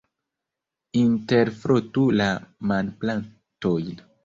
Interfrotu la manplatojn.